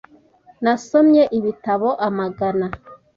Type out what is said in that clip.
Nasomye ibitabo amagana